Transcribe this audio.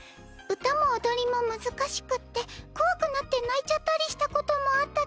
歌も踊りも難しくって怖くなって泣いちゃったりしたこともあったけど。